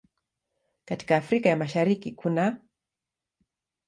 Katika Afrika ya Mashariki kunaː